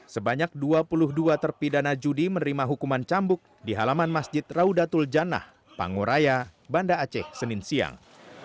sebanyak dua puluh dua terpidana judi menerima hukuman cambuk di halaman masjid raudatul janah panguraya banda aceh senin siang